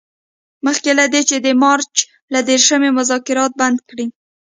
مخکې له دې چې د مارچ له دیرشمې مذاکرات بند کړي.